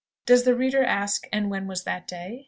(Does the reader ask, "and when was 'that day?'"